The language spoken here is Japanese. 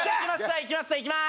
いきますいきます